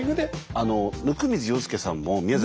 あの温水洋介さんも宮崎。